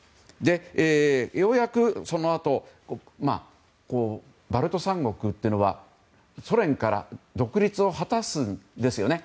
ようやく、そのあとバルト三国というのはソ連から独立を果たすんですよね。